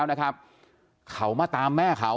จนกระทั่งหลานชายที่ชื่อสิทธิชัยมั่นคงอายุ๒๙เนี่ยรู้ว่าแม่กลับบ้าน